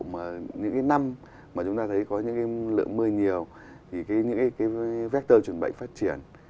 ví dụ như là những năm mà chúng ta thấy có những lượng mưa nhiều thì những vector truyền bệnh phát triển